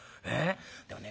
でもね